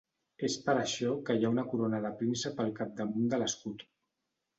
És per això que hi ha una corona de príncep al capdamunt de l'escut.